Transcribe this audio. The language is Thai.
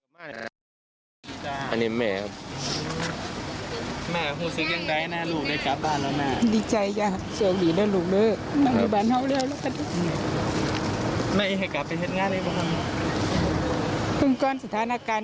เมื่อก่อนสถานการณ์จะยังไงกับบริกษากร